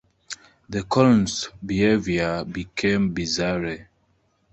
The Colonel's behaviour became bizarre.